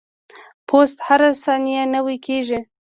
پوست هره ثانیه نوي کیږي.